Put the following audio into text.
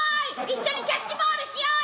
一緒にキャッチボールしようや！」